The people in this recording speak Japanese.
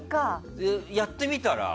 やってみたら？